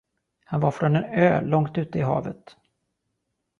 Han var från en ö långt ute i havet.